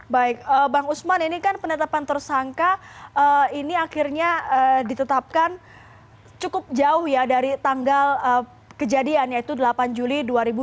baik bang usman ini kan penetapan tersangka ini akhirnya ditetapkan cukup jauh ya dari tanggal kejadian yaitu delapan juli dua ribu dua puluh